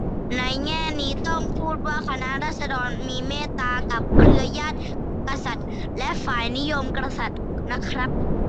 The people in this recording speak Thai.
ในแง่นี้ ต้องพูดว่าคณะราษฎรมีเมตตากับเครือญาติกษัตริย์และฝ่ายนิยมกษัตริย์นะครับ